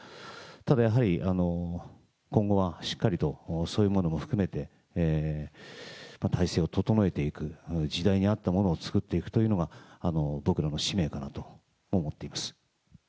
ただやはり、今後はしっかりとそういうものも含めて、体制を整えていく、時代に合ったものを作っていくというのが、僕らの使命かなと思っています。